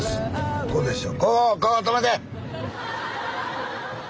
ここでしょ。